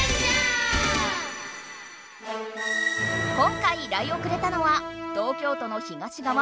今回依頼をくれたのは東京都の東がわ